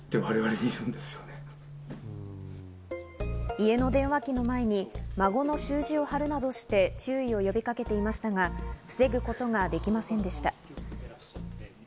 家の電話機の前に孫の習字を貼るなどして注意を呼びかけていましたが、防ぐことができませんでした。